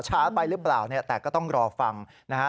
ช้าไปรึเปล่าตายแต่ก็ต้องรอฟังนะฮะ